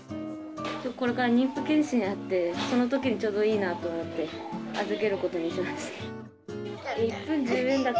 これから妊婦健診あって、そのときにちょうどいいなと思って、預けることにしました。